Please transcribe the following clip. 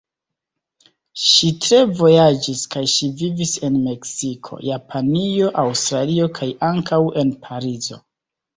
Ŝi tre vojaĝis kaj ŝi vivis en Meksiko, Japanio, Aŭstralio kaj ankaŭ en Parizo.